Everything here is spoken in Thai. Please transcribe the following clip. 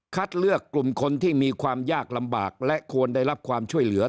เลือกกลุ่มคนที่มีความยากลำบากและควรได้รับความช่วยเหลือ